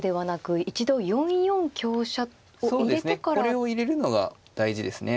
これを入れるのが大事ですね。